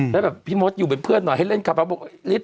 แล้วพี่มดอยู่เป็นเพื่อนหน่อยให้เล่นคับเฮาส์